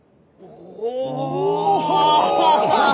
お！